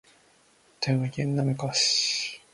富山県滑川市